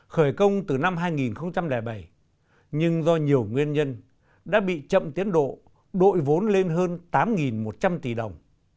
khởi công từ năm hai nghìn bảy nhưng do nhiều nguyên nhân đã bị chậm tiến độ đội vốn lên hơn tám một trăm linh tỷ đồng